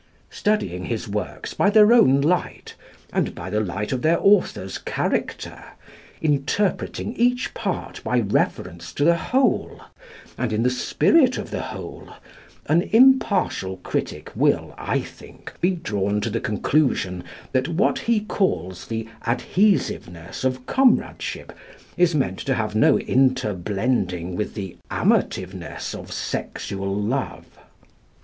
Studying his works by their own light, and by the light of their author's character, interpreting each part by reference to the whole and in the spirit of the whole, an impartial critic will, I think, be drawn to the conclusion that what he calls the "adhesiveness" of comradeship is meant to have no interblending with the "amativeness" of sexual love.